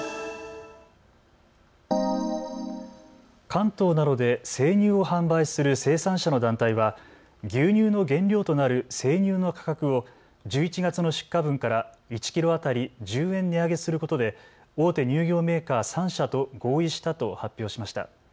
関東などで生乳を販売する生産者の団体は牛乳の原料となる生乳の価格を１１月の出荷分から１キロ当たり１０円値上げすることで大手乳業メーカー３社と合意したと発表しました。